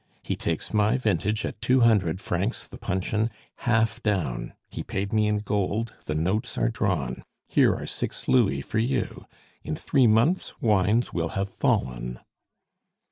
He takes my vintage at two hundred francs the puncheon, half down. He paid me in gold; the notes are drawn. Here are six louis for you. In three months wines will have fallen."